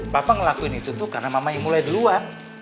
papa ngelakuin itu tuh karena mama yang mulai duluan